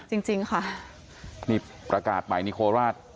จริงจริงค่ะนี่ประกาศใหม่นี่โคราช